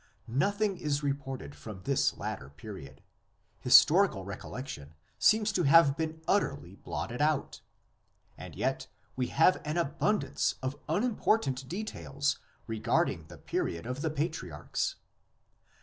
Nothing is reported from this latter period; historical recollection seems to have been utterly blotted out. And yet we have an abundance of unimportant details regarding the period of the patriarchs.